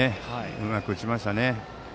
うまく打ちましたね。